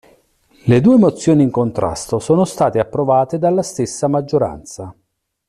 Le due mozioni in contrasto sono state approvate dalla stessa maggioranza.